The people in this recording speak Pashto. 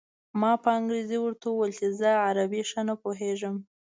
ما په انګرېزۍ ورته وویل چې زه عربي ښه نه پوهېږم.